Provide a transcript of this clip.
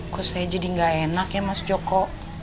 kok saya jadi gak enak ya mas joko